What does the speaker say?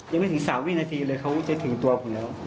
ยังไม่ถึง๓วินาทีเลยเขาจะถึงตัวผมแล้ว